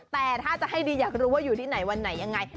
แต่ถ้าจะให้ดีอยากรู้ว่าอยู่ที่ไหนวันไหนยังไง